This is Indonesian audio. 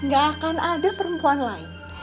gak akan ada perempuan lain